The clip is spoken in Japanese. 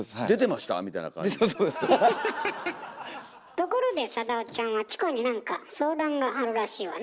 ところでサダヲちゃんはチコになんか相談があるらしいわね。